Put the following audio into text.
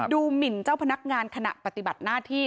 หมินเจ้าพนักงานขณะปฏิบัติหน้าที่